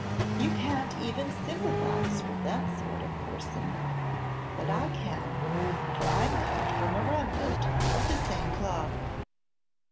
You can't even sympathize with that sort of person. But I can, for I'm cut from a remnant of the same cloth."